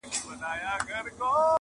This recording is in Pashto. • په درمل پسي د سترګو یې کتله -